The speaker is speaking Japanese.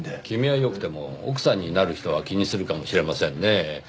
君はよくても奥さんになる人は気にするかもしれませんねぇ。